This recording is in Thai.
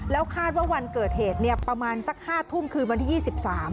แล้วคาดว่าวันเกิดเหตุเนี่ยประมาณสัก๕ทุ่มคืนวันที่๒๓